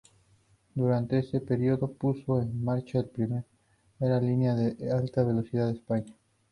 Durante este periodo, puso en marcha la primera línea de alta velocidad de España.